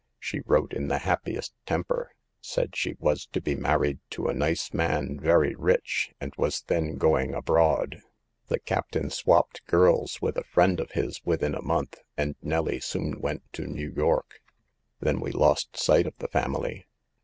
She wrote in the happiest temper, said she was to be married to a nice man, very rich, and was then going abroad. "The captain swapped girls with a friend SOME TEMPTATIONS OE CITY LIFE. 191 of his within a month, and Nelly soon went to New York. Then we lost sight of the family.